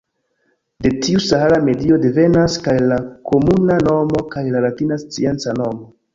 De tiu sahara medio devenas kaj la komuna nomo kaj la latina scienca nomo.